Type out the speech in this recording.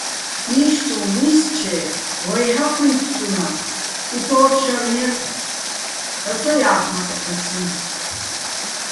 იშტუჼ ვისჩე, ვაჲ ჰაჴუჲ ფსტუნახ, უთოოთ, შარნ ჲატე̆, ჰ̦ალო̆ ცო ჲა́ხმაკე̆ ეჴუჲციჼ.